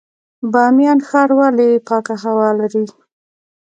بامیان ښار ولې پاکه هوا لري؟